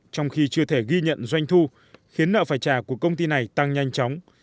trong khi chưa thể ghi nhận doanh thu khiến nợ phải trả của công ty này tăng nhanh chóng